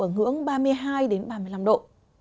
ở ngưỡng ba mươi hai ba mươi năm độ